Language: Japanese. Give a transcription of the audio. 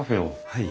はい。